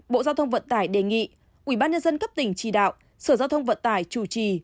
bộ giao thông vận tải đề nghị ubnd cấp tỉnh chỉ đạo sở giao thông vận tải chủ trì